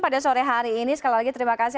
pada sore hari ini sekali lagi terima kasih